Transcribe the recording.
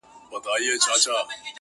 • او پر غوږونو یې د رباب د شرنګ -